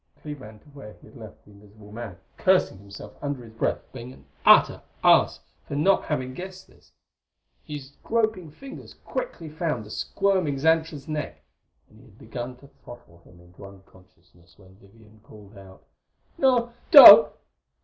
Clee ran to where he had left the invisible man, cursing himself under his breath for being an utter ass for not having guessed this. His groping fingers quickly found the squirming Xantra's neck; and he had begun to throttle him into unconsciousness when Vivian called out: "No! Don't!